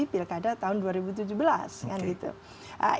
tapi dia sudah di pilkada tahun dua ribu tujuh belas